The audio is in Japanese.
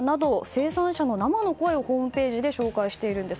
生産者の生の声をホームページで紹介しています。